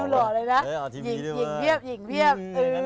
หล่อเลยนะหญิงเพียบหญิงเพียบ